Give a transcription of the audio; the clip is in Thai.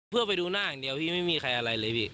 เพื่อไปดูหน้าอย่างเดียวพี่ไม่มีใครอะไรเลยพี่